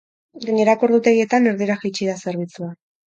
Gainerako ordutegietan, erdira jaitsi da zerbitzua.